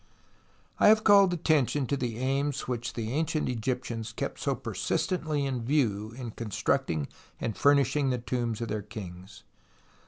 I have called attention to the aims which the ancient Egyptians kept so persistently in view in constructing and furnishing the tombs of their kings.